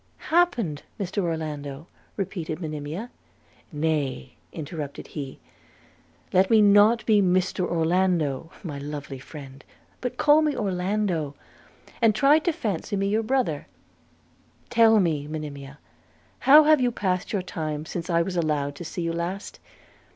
'Happened, Mr Orlando!' repeated Monimia. 'Nay,' interrupted he, 'let me not be Mr Orlando, my lovely friend, but call me Orlando, and try to fancy me your brother. Tell me, Monimia, how have you passed your time since I was allowed to see you last?